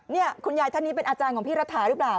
นี่คุณยายท่านนี้เป็นอาจารย์ของพี่รัฐาหรือเปล่า